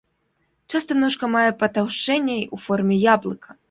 Часта ножка мае патаўшчэнне ў форме яблыка.